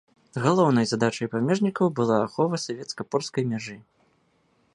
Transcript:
Галоўнай задачай памежнікаў была ахова савецка-польскай мяжы.